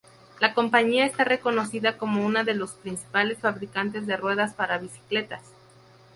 La compañía está reconocida como una de los principales fabricantes de ruedas para bicicletas.